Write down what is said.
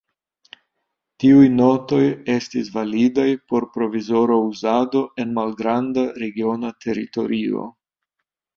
Tiuj notoj estis validaj por provizora uzado en malgranda regiona teritorio.